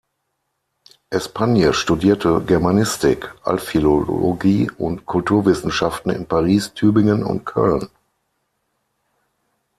Espagne studierte Germanistik, Altphilologie und Kulturwissenschaften in Paris, Tübingen und Köln.